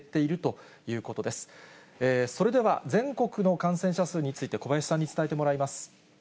それでは全国の感染者数について、小林さんに伝えてもらいます。